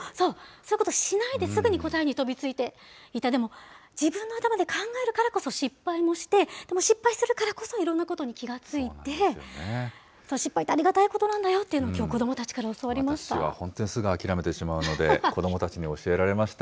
そういうことしないで、すぐに飛びついていた、でも、自分の頭で考えるからこそ、失敗もして、でも失敗するからこそ、いろんなことに気がついて、その失敗ってありがたいことなんだよってきょう、子どもたちから私は本当にすぐ諦めてしまうので、子どもたちに教えられました。